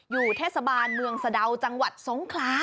อยู่เทศบาลเมืองสะดาวจังหวัดสงครา